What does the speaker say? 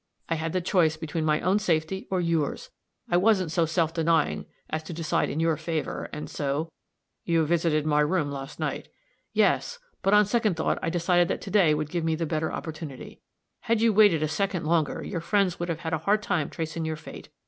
I had the choice between my own safety or yours. I wasn't so self denying as to decide in your favor, and so " "You visited my room last night." "Yes. But, on second thought, I decided that to day would give me the better opportunity. Had you waited a second longer, your friends would have had a hard time tracing your fate.